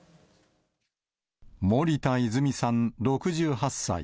森田泉さん６８歳。